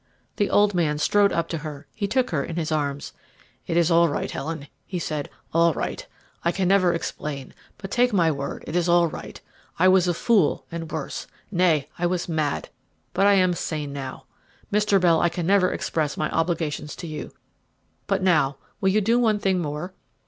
The old man strode up to her; he took her in his arms. "It is all right, Helen," he said, "all right. I can never explain; but, take my word, it is all right. I was a fool, and worse nay, I was mad but I am sane now. Mr. Bell, I can never express my obligations to you. But now, will you do one thing more?"